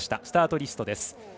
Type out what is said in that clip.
スタートリストです。